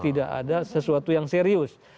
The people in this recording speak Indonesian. tidak ada sesuatu yang serius